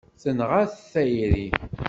Tenɣa-t tayri.